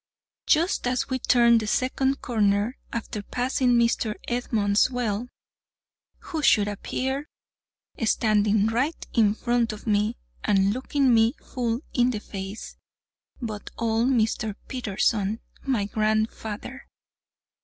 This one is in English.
Just as we turned the second corner, after passing Mr. Edmund's well, who should appear, standing right in front of me, and looking me full in the face, but old Mr. Peterson, my grandfather.